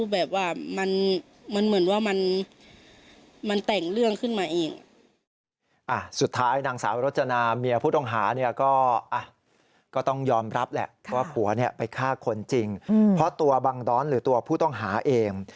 แบบว่ามัน